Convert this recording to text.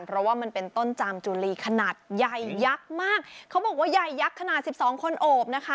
เพราะว่ามันเป็นต้นจามจุลีขนาดใหญ่ยักษ์มากเขาบอกว่าใหญ่ยักษ์ขนาดสิบสองคนโอบนะคะ